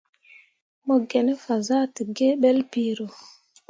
Mo gine fazahtǝgǝǝ ɓelle piro.